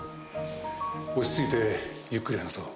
落ち着いてゆっくり話そう。